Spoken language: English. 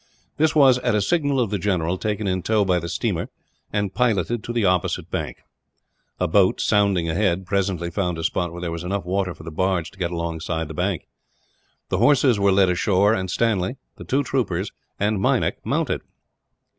This was, at a signal of the general, taken in tow by the steamer, and piloted to the opposite bank. A boat, sounding ahead, presently found a spot where there was enough water for the barge to get alongside the bank. The horses were led ashore; and Stanley, the two troopers, and Meinik mounted.